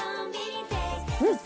うん？